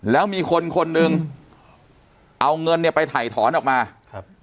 แล้วมีคนคนหนึ่งเอาเงินเนี่ยไปถ่ายถอนออกมาครับ